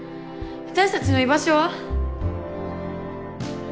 私たちの居場所は？